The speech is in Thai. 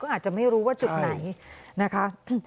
อาจจะไม่รู้ว่าจุดไหนนะคะ